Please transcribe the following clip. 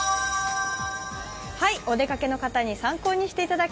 お出かけの方に参考にしていただた